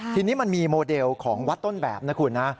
ทีนี้มันมีโมเดลของวัดต้นแบบนะคุณนะ